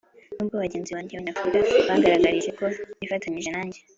nubwo bagenzi banjye b'abanyafurika bangaragarije ko bifatanyije nanjye,